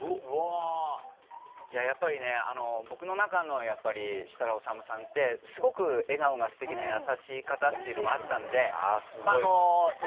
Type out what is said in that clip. やっぱりね僕の中の設楽統さんってすごく笑顔が素敵な優しい方っていうのがあったので。